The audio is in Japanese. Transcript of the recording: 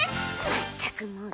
まったくもう！